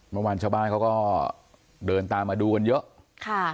เมื่อวานชาวบ้านเขาก็เดินตามมาดูกันเยอะค่ะ